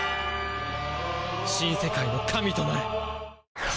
「新世界の神となる」